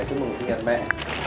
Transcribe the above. chúc mừng sinh nhật mẹ